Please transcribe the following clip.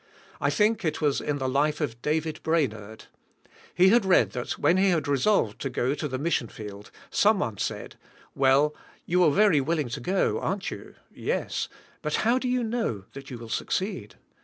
I think it was in a life of David Brainerd; he had read that when he had resolved to go to the mission field, someone said. Well, you are very will ing to go, aren't you? Yes. But how do you know that you will succeed?